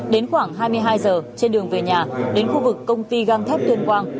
đến khoảng hai mươi hai giờ trên đường về nhà đến khu vực công ty găng thép tuyên quang